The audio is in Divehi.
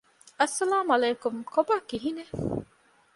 އައްސަލާމު ޢަލައިކުމް ކޮބާ ކިހިނެތް؟